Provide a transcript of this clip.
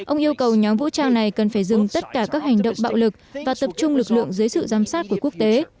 ông yêu cầu nhóm vũ trang này cần phải dừng tất cả các hành động bạo lực và tập trung lực lượng dưới sự giám sát của quốc tế